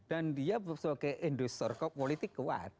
dan dia sebagai industri sosok politik keuat